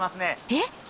えっ。